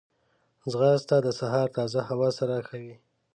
ځغاسته د سهار تازه هوا سره ښه وي